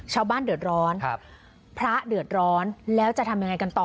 ชาวบ้านเดือดร้อนครับพระเดือดร้อนแล้วจะทำยังไงกันต่อ